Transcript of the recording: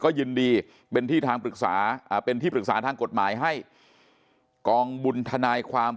ก็ยินดีเป็นที่ทางปรึกษาเป็นที่ปรึกษาทางกฎหมายให้กองบุญทนายความ